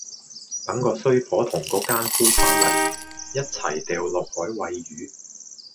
等個衰婆同個姦夫返嚟，一齊掉落海餵魚